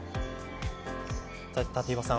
立岩さん